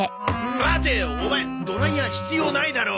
オマエドライヤー必要ないだろ！